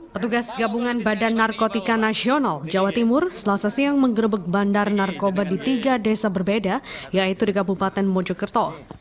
petugas gabungan badan narkotika nasional jawa timur selasa siang menggerebek bandar narkoba di tiga desa berbeda yaitu di kabupaten mojokerto